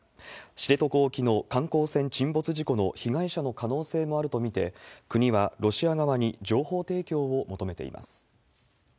知床沖の観光船沈没事故の被害者の可能性もあると見て、国はロシア側に情報提供を求めています。